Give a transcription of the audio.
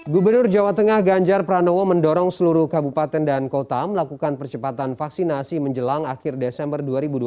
gubernur jawa tengah ganjar pranowo mendorong seluruh kabupaten dan kota melakukan percepatan vaksinasi menjelang akhir desember dua ribu dua puluh